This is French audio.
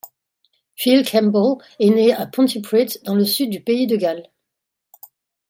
Phil Campbell est né à Pontypridd dans le sud du pays de Galles.